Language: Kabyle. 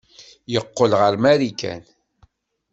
Yeqqel ɣer Marikan.